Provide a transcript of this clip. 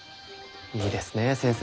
いいですね先生は。